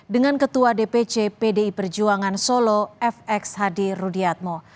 dengan ketua dpc pdi perjuangan solo fx hadi rudiatmo